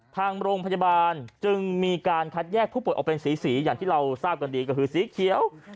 ทางโรงพยาบาลจึงมีการคัดแยกผู้ป่วยออกเป็นสีอย่างที่เราทราบกันดีก็คือสีเขียว